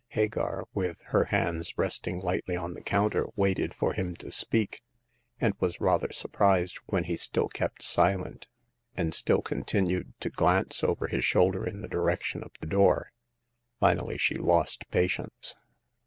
Hagar, with her hands resting lightly on the counter, waited for him to speak, and was rather surprised when he still kept silent, and still continued to glance over his shoulder in the direction of the door. Finally she lost patience.